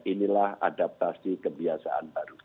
inilah adaptasi kebiasaan baru